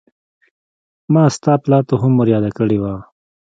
ما ستا پلار ته هم ور ياده کړې وه.